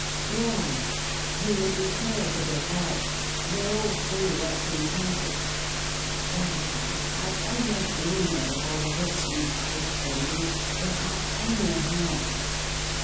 "Yes. He would be sure to be about. They all three worked in concert. Gad! if I'd only been here before the vixen slipped the leash if I only had!